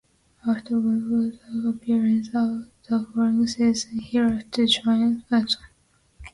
After one further appearance the following season, he left to join Wrexham.